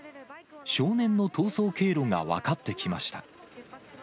少年の逃走経路が分かってきました。